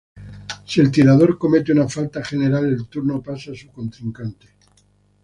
Si el tirador comete una falta general el turno pasa a su contrincante.